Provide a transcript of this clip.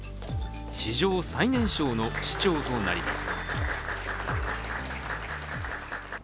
史上最年少の市長となります。